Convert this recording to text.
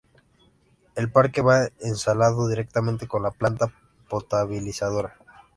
El parque va enlazado directamente con la planta potabilizadora.